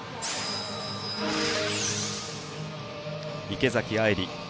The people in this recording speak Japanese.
池崎愛里